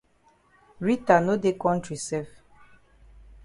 Rita no dey kontri sef.